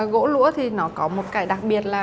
gỗ lũa thì nó có một cái đặc biệt là